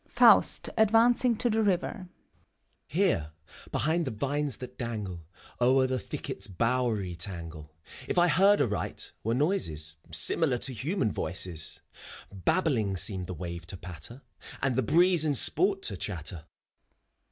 FAUST {advancing to the river) » Here, behind the vines that dangle O'er the thicket's bowery tangle. If I heard aright, were noises Similar to human voices. Babbling seemed the wave to patter, And the breeze in sport to chatter.